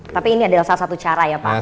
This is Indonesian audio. tapi ini adalah salah satu cara ya pak